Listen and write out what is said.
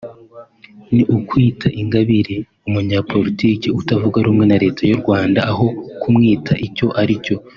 ni ukwita Ingabire “umunyapolitiki” utavuga rumwe na Leta y’u Rwanda aho kumwita icyo ari cyo